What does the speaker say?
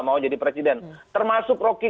mau jadi presiden termasuk rocky